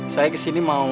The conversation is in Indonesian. saya kesini mau